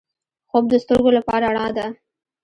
خوب د سترګو لپاره رڼا ده